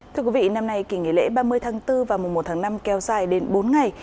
thưa quý vị năm nay kỳ nghỉ lễ ba mươi tháng bốn và mùa một tháng năm kéo dài đến bốn ngày